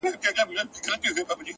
پوړني به د ټول هيواد دربار ته ور وړم _